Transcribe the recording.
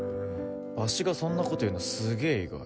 バシがそんなこと言うのすげぇ意外。